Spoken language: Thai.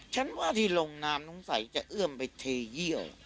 ฉันว่าที่ลงนามสงสัยจะเอื้อมไปเทเยื่อ